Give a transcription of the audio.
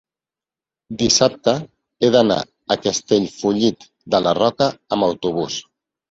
dissabte he d'anar a Castellfollit de la Roca amb autobús.